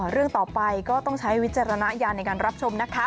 เรื่องต่อไปก็ต้องใช้วิจารณญาณในการรับชมนะคะ